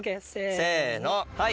せのはい。